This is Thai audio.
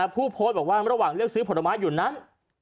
ผู้โพสต์บอกว่าระหว่างเลือกซื้อผลไม้อยู่นั้น